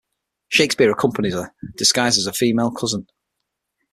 Shakespeare accompanies her, disguised as her female cousin.